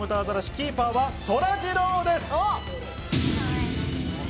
キーパーは、そらジローです。